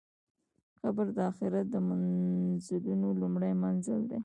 قبر د آخرت د منزلونو لومړی منزل دی.